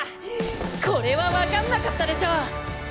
これはわかんなかったでしょう！